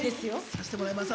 さしてもらいます